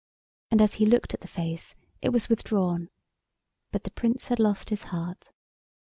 And as he looked at the face it was withdrawn—but the Prince had lost his heart.